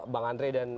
bang andre dan